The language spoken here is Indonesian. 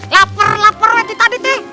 laper laper tadi teh